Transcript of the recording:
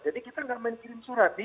jadi kita gak main kirim surat